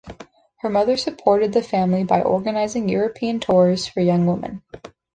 Her mother supported the family by organizing European tours for young women.